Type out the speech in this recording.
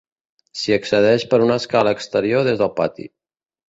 S'hi accedeix per una escala exterior des del pati.